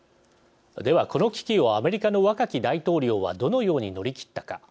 ではこの危機をアメリカの若き大統領はどのように乗り切ったか。